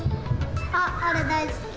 あっ、あれ大好き。